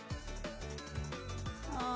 ああ。